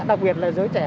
đặc biệt là giới trẻ